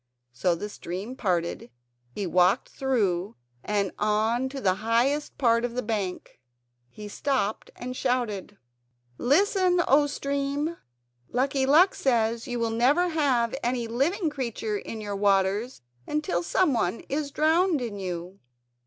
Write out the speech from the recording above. So the stream parted; he walked through and on to the highest part of the bank. He stopped and shouted out: "Listen, oh stream! Lucky Luck says you will never have any living creature in your waters until someone is drowned in you."